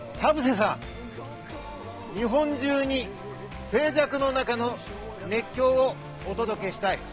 加藤さん、田臥さん、日本中に静寂の中の熱狂をお届けしたい。